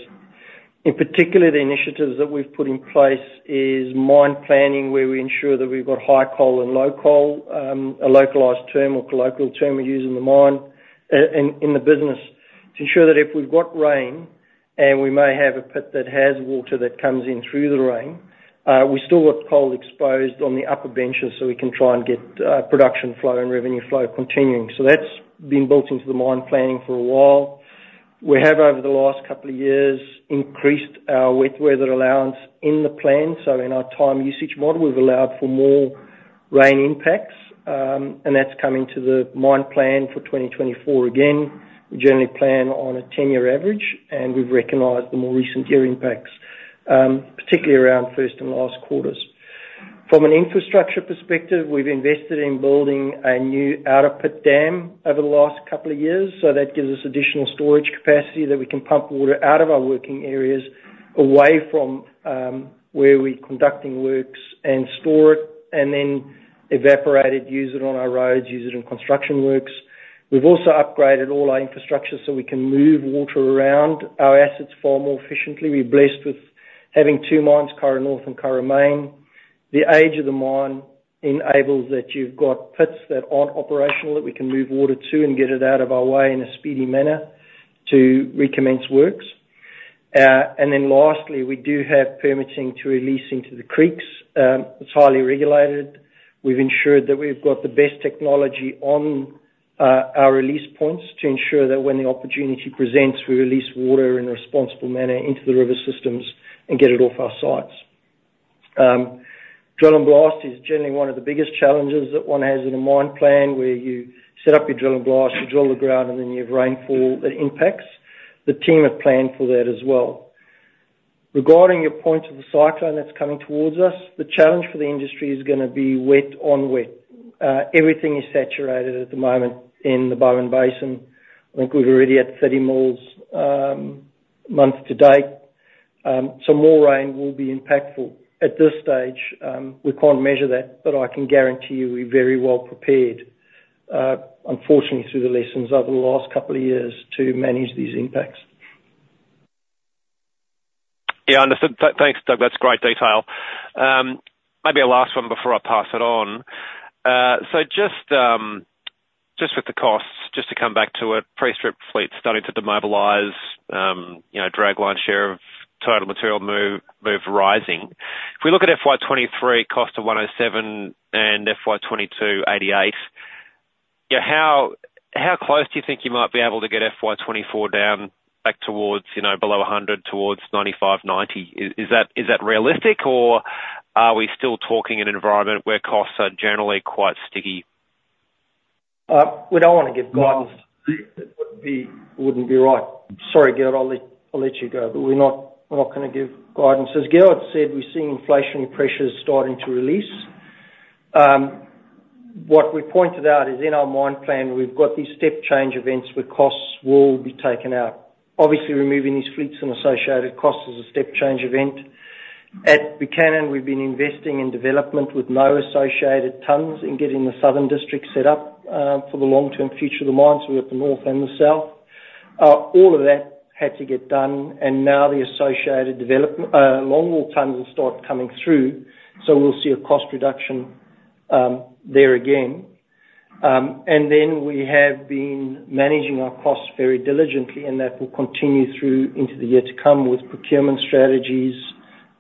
In particular, the initiatives that we've put in place is mine planning, where we ensure that we've got high coal and low coal, a localized term or colloquial term we use in the mine, in the business, to ensure that if we've got rain, and we may have a pit that has water that comes in through the rain, we still want coal exposed on the upper benches, so we can try and get production flow and revenue flow continuing. So that's been built into the mine planning for a while. We have, over the last couple of years, increased our wet weather allowance in the plan, so in our time usage model, we've allowed for more rain impacts, and that's coming to the mine plan for 2024. Again, we generally plan on a 10-year average, and we've recognized the more recent year impacts, particularly around first and last quarters. From an infrastructure perspective, we've invested in building a new outer pit dam over the last couple of years, so that gives us additional storage capacity that we can pump water out of our working areas away from, where we're conducting works, and store it, and then evaporate it, use it on our roads, use it in construction works. We've also upgraded all our infrastructure so we can move water around our assets far more efficiently. We're blessed with having two mines, Curragh North and Curragh Main. The age of the mine enables that you've got pits that aren't operational, that we can move water to and get it out of our way in a speedy manner to recommence works. And then lastly, we do have permitting to release into the creeks. It's highly regulated. We've ensured that we've got the best technology on our release points to ensure that when the opportunity presents, we release water in a responsible manner into the river systems and get it off our sites. Drill and blast is generally one of the biggest challenges that one has in a mine plan, where you set up your drill and blast, you drill the ground, and then you have rainfall that impacts. The team have planned for that as well. Regarding your point of the cyclone that's coming towards us, the challenge for the industry is gonna be wet on wet. Everything is saturated at the moment in the Bowen Basin. I think we're already at 30 mils, month to date. So more rain will be impactful. At this stage, we can't measure that, but I can guarantee you we're very well prepared, unfortunately, through the lessons over the last couple of years to manage these impacts. Yeah, Thanks, Doug. That's great detail. Maybe a last one before I pass it on. So just, just with the costs, just to come back to it, pre-strip fleet starting to demobilize, you know, dragline share of total material move rising. If we look at FY 2023 cost of $107 and FY 2022, $88, yeah, how close do you think you might be able to get FY 2024 down back towards, you know, below $100, towards $95, $90? Is that realistic, or are we still talking in an environment where costs are generally quite sticky? We don't want to give guidance. It wouldn't be, wouldn't be right. Sorry, Gerhard, I'll let, I'll let you go, but we're not, we're not gonna give guidance. As Gerhard said, we've seen inflationary pressures starting to release. What we pointed out is, in our mine plan, we've got these step change events where costs will be taken out. Obviously, removing these fleets and associated costs is a step change event. At Buchanan, we've been investing in development with no associated tons in getting the Southern District set up for the long-term future of the mine, so we have the North and the South. All of that had to get done, and now the associated development longwall tons will start coming through. So we'll see a cost reduction there again. And then we have been managing our costs very diligently, and that will continue through into the year to come, with procurement strategies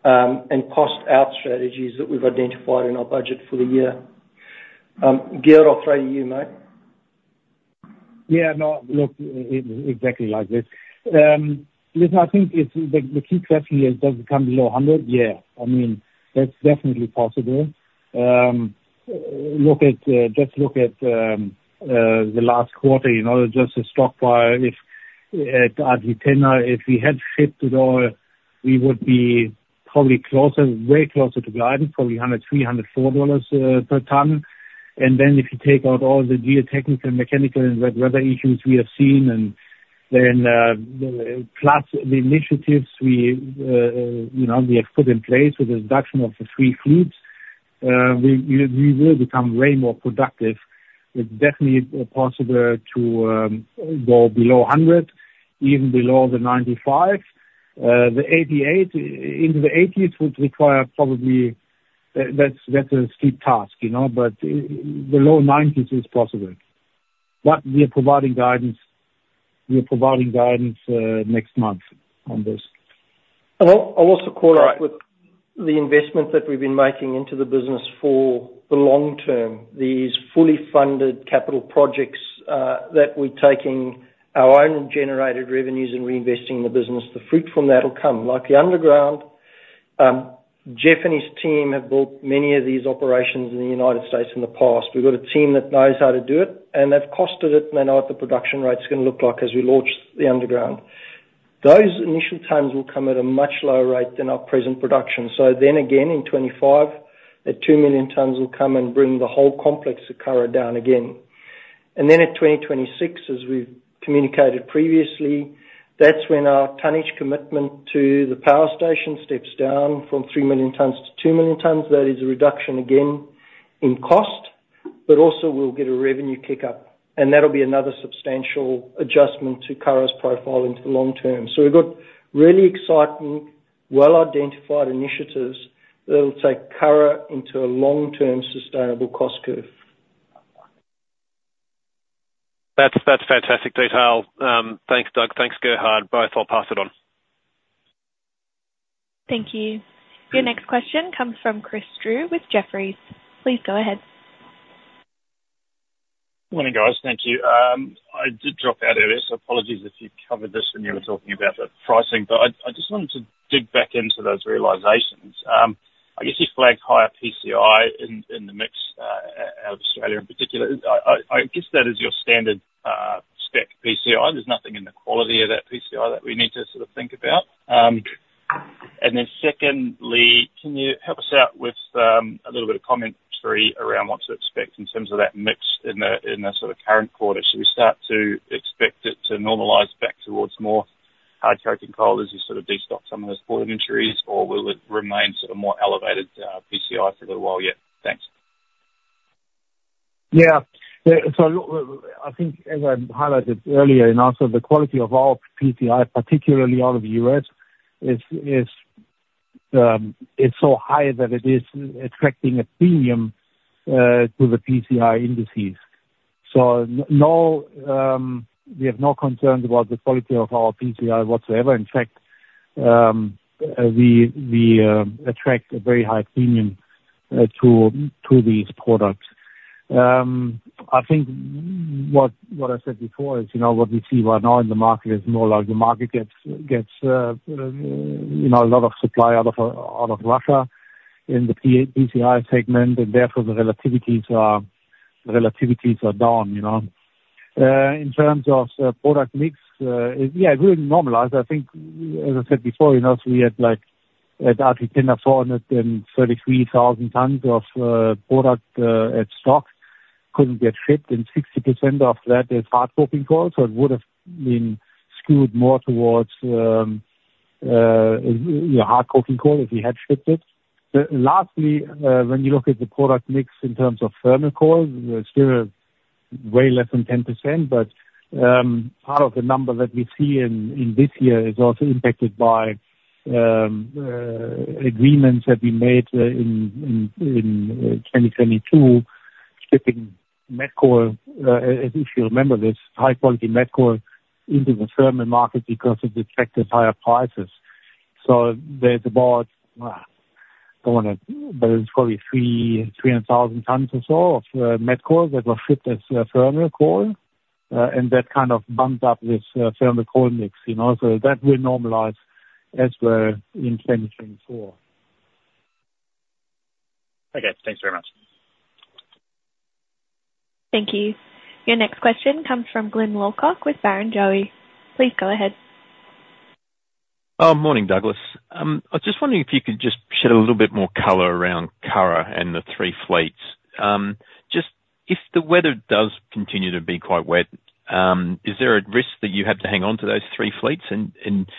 and cost out strategies that we've identified in our budget for the year. Gerhard, I'll throw you, mate. Yeah, no, look, exactly like this. Listen, I think it's the key question is, does it come below 100? Yeah. I mean, that's definitely possible. Look at, just look at, the last quarter, you know, just the stockpile at RG Tanna. If we had shipped it all, we would be probably closer, way closer to guidance, probably $103-$104 per ton. And then if you take out all the geotechnical, mechanical, and wet weather issues we have seen, and then, plus the initiatives we, you know, we have put in place with the reduction of the three fleets, we will become way more productive. It's definitely possible to go below 100, even below the 95. The 88, into the 80s would require probably—that's a steep task, you know, but the low 90s is possible. But we are providing guidance, we are providing guidance next month on this. I'll also call out with the investment that we've been making into the business for the long term. These fully funded capital projects that we're taking our own generated revenues and reinvesting in the business. The fruit from that will come, like the underground. Jeff and his team have built many of these operations in the United States in the past. We've got a team that knows how to do it, and they've costed it, and they know what the production rate's gonna look like as we launch the underground. Those initial tons will come at a much lower rate than our present production. So then again, in 2025, the 2 million tons will come and bring the whole complex of Curragh down again. And then in 2026, as we've communicated previously, that's when our tonnage commitment to the power station steps down from 3 million tons to 2 million tons. That is a reduction again in cost, but also we'll get a revenue kick up, and that'll be another substantial adjustment to Curragh's profile into the long term. So we've got really exciting, well-identified initiatives that will take Curragh into a long-term sustainable cost curve. That's fantastic detail. Thanks, Doug. Thanks, Gerhard. Both, I'll pass it on. Thank you. Your next question comes from Chris Drew with Jefferies. Please go ahead. Morning, guys. Thank you. I did drop out earlier, so apologies if you covered this when you were talking about the pricing, but I just wanted to dig back into those realizations. I guess you flagged higher PCI in the mix out of Australia in particular. I guess that is your standard spec PCI. There's nothing in the quality of that PCI that we need to sort of think about? And then secondly, can you help us out with a little bit of commentary around what to expect in terms of that mix in the sort of current quarter? Should we start to expect it to normalize back towards more hard coking coal as you sort of destock some of those inventories, or will it remain sort of more elevated PCI for a little while yet? Thanks. Yeah. So I think, as I highlighted earlier, and also the quality of our PCI, particularly out of the U.S., is so high that it is attracting a premium to the PCI indices. So no, we have no concerns about the quality of our PCI whatsoever. In fact, we attract a very high premium to these products. I think what I said before is, you know, what we see right now in the market is more like the market gets, you know, a lot of supply out of Russia in the PCI segment, and therefore, the relativities are down, you know. In terms of product mix, yeah, it will normalize. I think, as I said before, you know, we had like, at RG Tanna, 433,000 tons of product at stock, couldn't get shipped, and 60% of that is hard coking coal. So it would have been skewed more towards, yeah, hard coking coal, if we had shipped it. Lastly, when you look at the product mix in terms of thermal coal, it's still way less than 10%. But part of the number that we see in this year is also impacted by agreements that we made in 2022, shipping met coal, if you remember this, high quality met coal into the thermal coal market because it attracted higher prices. So there's about, I don't want to, but it's probably 300,000 tons or so of met coal that was shipped as thermal coal, and that kind of bumped up this thermal coal mix, you know. So that will normalize as we're in 2024. Okay. Thanks very much. Thank you. Your next question comes from Glyn Lawcock with Barrenjoey. Please go ahead. Morning, Douglas. I was just wondering if you could just shed a little bit more color around Curragh and the three fleets. Just, if the weather does continue to be quite wet, is there a risk that you have to hang on to those three fleets, and, and,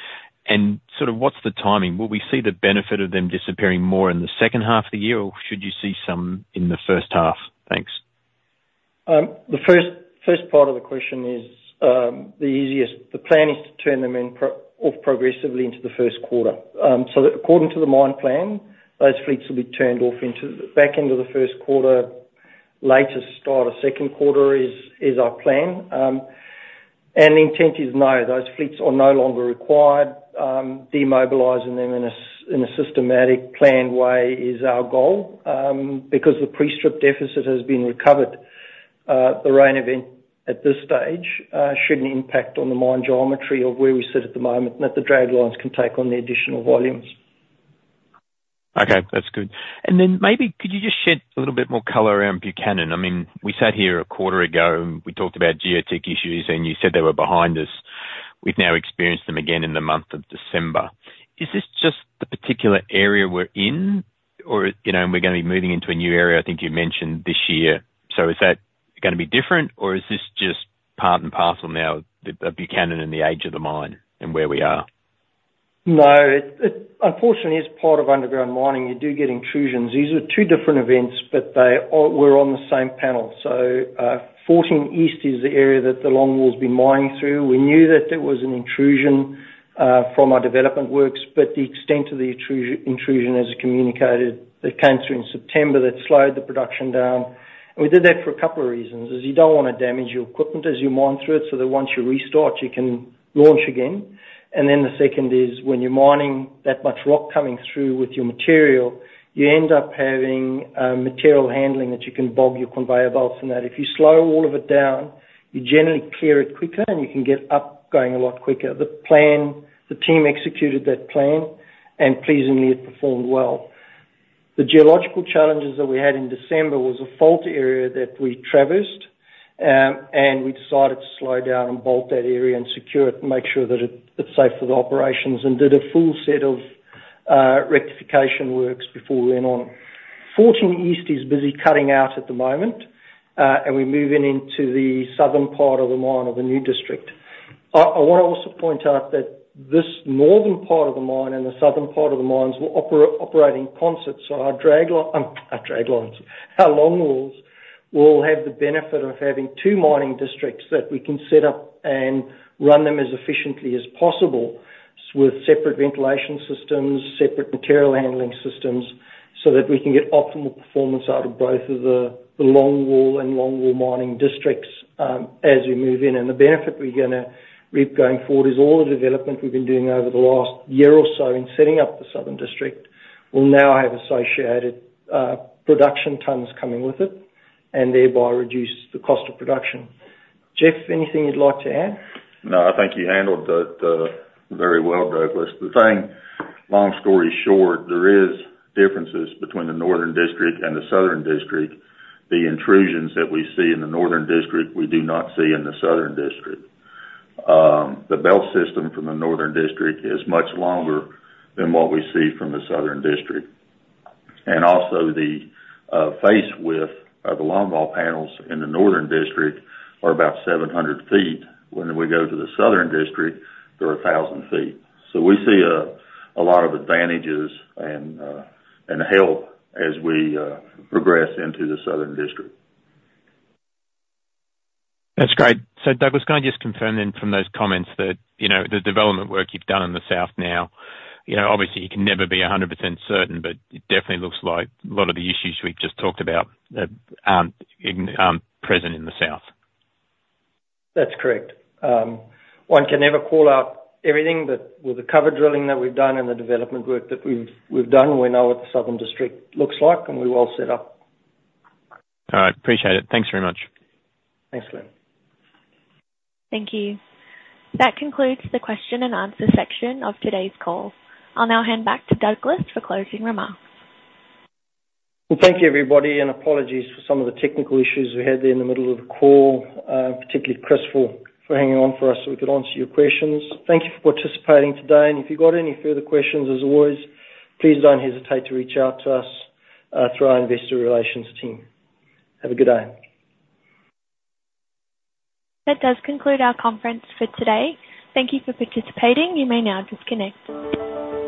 and sort of what's the timing? Will we see the benefit of them disappearing more in the second half of the year, or should you see some in the first half? Thanks. The first part of the question is the easiest. The plan is to turn them off progressively into the first quarter. So according to the mine plan, those fleets will be turned off into the back end of the first quarter, later start of second quarter is our plan. The intent is, no, those fleets are no longer required. Demobilizing them in a systematic, planned way is our goal, because the pre-strip deficit has been recovered. The rain event at this stage shouldn't impact on the mine geometry of where we sit at the moment, and that the draglines can take on the additional volumes. Okay, that's good. And then maybe could you just shed a little bit more color around Buchanan? I mean, we sat here a quarter ago, and we talked about geotech issues, and you said they were behind us. We've now experienced them again in the month of December. Is this just the particular area we're in, or, you know, we're gonna be moving into a new area, I think you mentioned this year? So is that gonna be different, or is this just part and parcel now of, of Buchanan and the age of the mine and where we are? No, it unfortunately is part of underground mining. You do get intrusions. These are two different events, but they all were on the same panel. So, 14E is the area that the longwall's been mining through. We knew that there was an intrusion from our development works, but the extent of the intrusion, as communicated, that came through in September, that slowed the production down. And we did that for a couple of reasons, is you don't want to damage your equipment as you mine through it, so that once you restart, you can launch again. And then the second is, when you're mining that much rock coming through with your material, you end up having material handling that you can bog your conveyor belts from that. If you slow all of it down, you generally clear it quicker, and you can get up going a lot quicker. The team executed that plan, and pleasingly, it performed well. The geological challenges that we had in December was a fault area that we traversed, and we decided to slow down and bolt that area and secure it and make sure that it, it's safe for the operations, and did a full set of rectification works before we went on. 14E is busy cutting out at the moment, and we're moving into the southern part of the mine of the new district. I want to also point out that this northern part of the mine and the southern part of the mines will operate in concert, so our draglines, our longwalls will have the benefit of having two mining districts that we can set up and run them as efficiently as possible, with separate ventilation systems, separate material handling systems, so that we can get optimal performance out of both of the, the longwall and longwall mining districts, as we move in. And the benefit we're gonna reap going forward is all the development we've been doing over the last year or so in setting up the Southern District will now have associated, production tons coming with it and thereby reduce the cost of production. Jeff, anything you'd like to add? No, I think you handled that very well, Douglas. The thing, long story short, there is differences between the Northern District and the Southern District. The intrusions that we see in the Northern District, we do not see in the Southern District. The belt system from the Northern District is much longer than what we see from the Southern District. And also, the face width of the longwall panels in the Northern District are about 700 feet. When we go to the Southern District, they're 1,000 feet. So we see a lot of advantages and help as we progress into the Southern District. That's great. So, Douglas, can I just confirm then from those comments that, you know, the development work you've done in the south now, you know, obviously you can never be 100% certain, but it definitely looks like a lot of the issues we've just talked about aren't present in the south? That's correct. One can never call out everything, but with the cover drilling that we've done and the development work that we've done, we know what the Southern District looks like, and we're well set up. All right. Appreciate it. Thanks very much. Thanks, Glyn. Thank you. That concludes the question and answer section of today's call. I'll now hand back to Douglas for closing remarks. Well, thank you, everybody, and apologies for some of the technical issues we had there in the middle of the call. Particularly Chris, for hanging on for us so we could answer your questions. Thank you for participating today. If you've got any further questions, as always, please don't hesitate to reach out to us through our investor relations team. Have a good day. That does conclude our conference for today. Thank you for participating. You may now disconnect.